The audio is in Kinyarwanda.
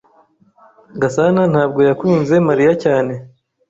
Gasana ntabwo yakunze Mariya cyane.